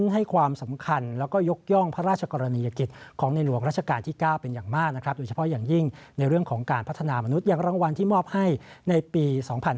หัวหนุฏยังรางวัลที่มอบให้ในปี๒๕๔๙